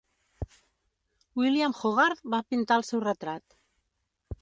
William Hogarth va pintar el seu retrat.